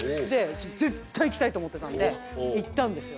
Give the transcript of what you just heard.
絶対行きたいと思ってたんで行ったんですよ。